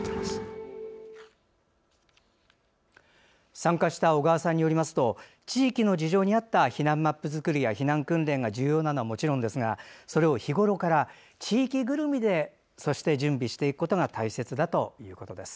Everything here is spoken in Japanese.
参加した小川さんによると地域の事情に合った避難マップ作りや避難訓練が重要なのはもちろんですがそれを日ごろから地域ぐるみで準備することが大切だということです。